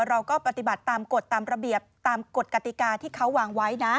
เราก็ปฏิบัติตามกฎตามระเบียบตามกฎกติกาที่เขาวางไว้นะ